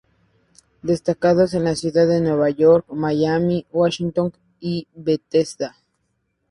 Destacando la ciudad de Nueva York, Miami, Washington y Bethesda.